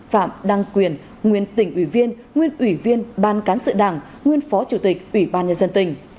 phạm đăng quyền nguyên tỉnh ủy viên nguyên ủy viên ban cán sự đảng nguyên phó chủ tịch ủy ban nhân dân tỉnh